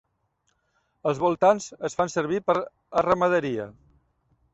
Els voltants es fan servir per a ramaderia.